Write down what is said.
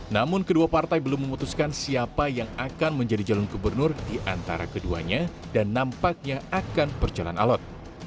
namun kedua partai belum memutuskan siapa yang akan menjadi jalur gubernur di antara keduanya dan nampaknya akan berjalan alat